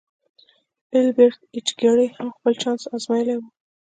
ایلبرټ ایچ ګیري هم خپل چانس ازمایلی و